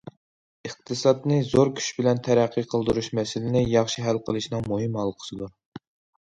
ئىقتىسادنى زور كۈچ بىلەن تەرەققىي قىلدۇرۇش مەسىلىنى ياخشى ھەل قىلىشنىڭ مۇھىم ھالقىسىدۇر.